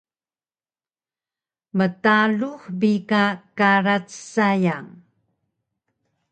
mtalux bi ka karac sayang